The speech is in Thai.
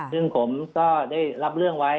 ซึ่งผมก็ได้รับเรื่องไว้